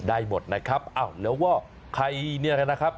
ได้หมดนะครับอ้าวแล้วก็ใครเนี่ยนะครับ